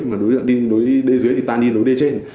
mà đối tượng đi lối d dưới thì ta đi lối d trên